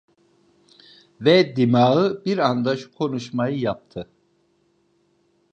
Ve dimağı bir anda şu konuşmayı yaptı: